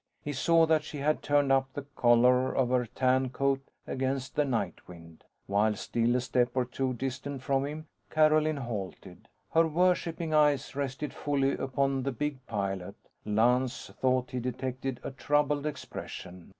He saw that she had turned up the collar of her tan coat against the night wind. While still a step or two distant from him, Carolyn halted. Her worshiping eyes rested fully upon the big pilot. Lance thought he detected a troubled expression.